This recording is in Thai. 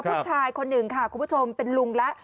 ผู้ชายคนหนึ่งค่ะคุณผู้ชมเป็นลุงแล้ว